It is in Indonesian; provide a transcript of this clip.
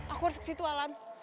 aku harus ke situ alam